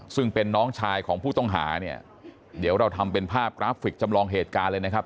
ซึ่งเป็นน้องชายของผู้ต้องหาเนี่ยเดี๋ยวเราทำเป็นภาพกราฟิกจำลองเหตุการณ์เลยนะครับ